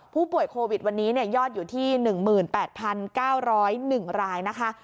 ผู้ป่วยโควิดวันนี้ยอดอยู่ที่๑๘๙๐๑รายนะคะ